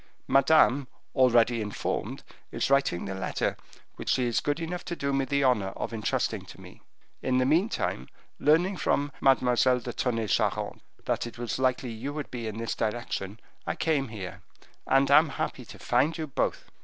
Madame, already informed, is writing the letter which she is good enough to do me the honor of intrusting to me. In the meantime, learning from Mademoiselle de Tonnay Charente that it was likely you would be in this direction, I came here, and am happy to find you both."